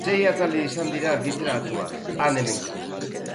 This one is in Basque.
Sei atal izan dira argitaratuak, han-hemenka.